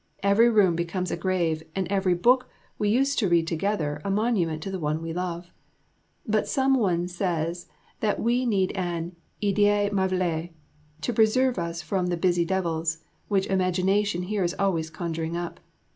Every room becomes a grave, and every book we used to read together a monument to the one we love. But some one says, that we need an idée merveilleuse to preserve us from the busy devils, which imagination here is always conjuring up.